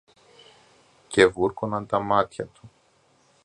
και βούρκωναν τα μάτια του.